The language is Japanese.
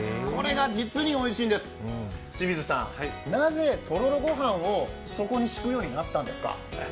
これが実においしいんです、清水さん、なぜとろろ御飯を底に敷くようになったんですか？